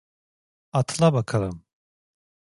Atla bakalım.